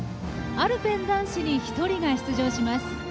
アルペン男子に１人が出場します。